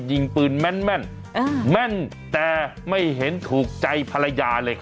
ยิงปืนแม่นแม่นอ่าแม่นแต่ไม่เห็นถูกใจภรรยาเลยค่ะ